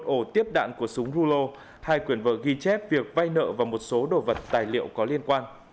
hai ổ tiếp đạn của súng rulo hai quyền vợ ghi chép việc vay nợ và một số đồ vật tài liệu có liên quan